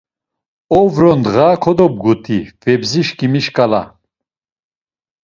Ovro ndğa kodobguti Febzişkimi şǩala.